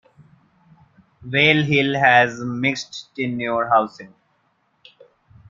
Whale Hill has mixed tenure housing.